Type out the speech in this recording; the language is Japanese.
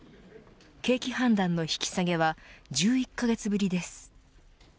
景気判断の引き下げは１１カ月ぶりです。